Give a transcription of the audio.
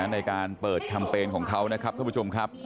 ในการเปิดแคมเปญของเขานะครับท่านผู้ชมครับ